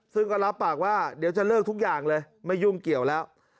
ซึ่งก็รับปากว่าเดี๋ยวจะเลิกทุกอย่างเลยไม่ยุ่งเกี่ยวแล้ว